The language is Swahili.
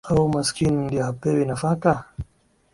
Au maskini ndiye hapewi nafaka?